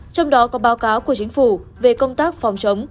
trong đó có báo cáo của chính phủ về công tác phòng chống